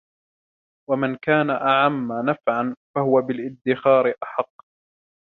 وَمَنْ كَانَ أَعَمَّ نَفْعًا فَهُوَ بِالْإِدْخَارِ أَحَقُّ